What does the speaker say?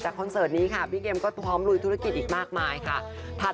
โทรปห่งเพศนีหรอ